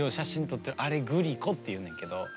撮ってるあれグリコっていうねんけど。